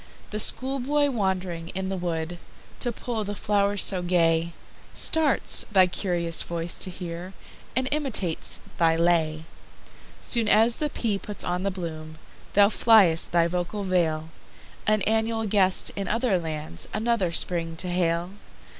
The schoolboy wand'ring in the woodTo pull the flow'rs so gay, Starts, thy curious voice to hear, And imitates thy lay. Soon as the pea puts on the bloom, Thou fly'st thy vocal vale, An annual guest, in other lands, Another Spring to hail.